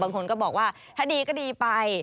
บางคนก็บอกว่าถ้าดีก็ดีไป